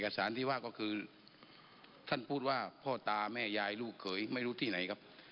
สารที่ว่าก็คือท่านพูดว่าพ่อตาแม่ยายลูกเขยไม่รู้ที่ไหนครับ